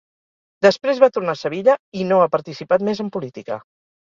Després va tornar a Sevilla i no ha participat més en política.